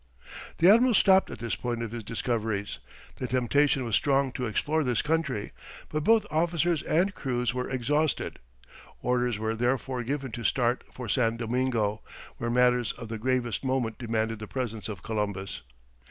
] The admiral stopped at this point of his discoveries; the temptation was strong to explore this country, but both officers and crews were exhausted. Orders were therefore given to start for San Domingo, where matters of the gravest moment demanded the presence of Columbus.